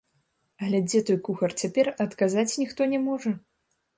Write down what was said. Але дзе той кухар цяпер, адказаць ніхто не можа!